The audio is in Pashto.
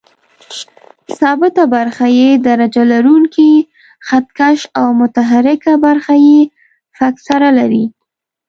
ثابته برخه یې درجه لرونکی خط کش او متحرکه برخه یې فکسره لري.